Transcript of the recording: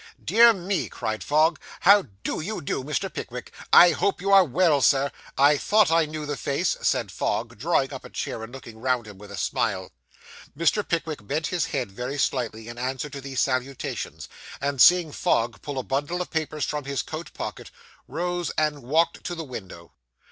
'Dear me,' cried Fogg, 'how do you do, Mr. Pickwick? I hope you are well, Sir. I thought I knew the face,' said Fogg, drawing up a chair, and looking round him with a smile. Mr. Pickwick bent his head very slightly, in answer to these salutations, and, seeing Fogg pull a bundle of papers from his coat pocket, rose and walked to the window.